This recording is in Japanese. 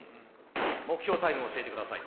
目標タイムを教えてください。